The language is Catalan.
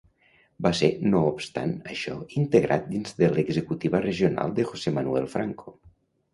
Va ser no obstant això integrat dins de l'executiva regional de José Manuel Franco.